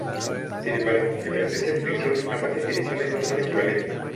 Sin embargo, en presencia de fricción, ambas definiciones no son equivalentes.